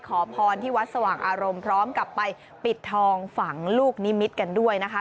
ขอพรที่วัดสว่างอารมณ์พร้อมกับไปปิดทองฝังลูกนิมิตรกันด้วยนะคะ